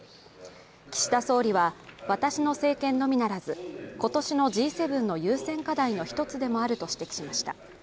岸田総理は私の政権のみならず今年のＧ７の優先課題の１つでもあると指摘しました。